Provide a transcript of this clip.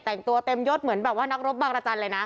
แต่งตัวเต็มยศเหมือนแบบว่านักรบบางรจันทร์เลยนะ